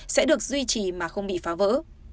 sẽ được duy trì mà không bị phá vỡ